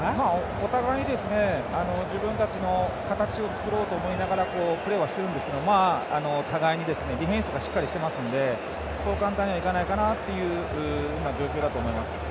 お互い、自分たちの形を作ろうと思いながらプレーはしているんですけど互いにディフェンスとかしっかりしていますのでそう簡単にはいかないかなという今、状況だと思います。